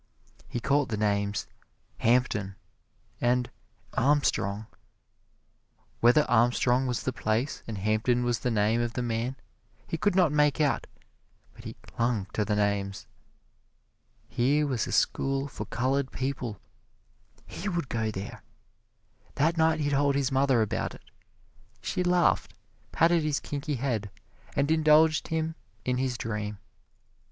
He caught the names "Hampton" and "Armstrong." Whether Armstrong was the place and Hampton was the name of the man, he could not make out, but he clung to the names. Here was a school for colored people he would go there! That night he told his mother about it. She laughed, patted his kinky head, and indulged him in his dream.